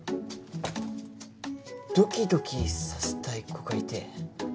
ドキドキさせたい子がいて。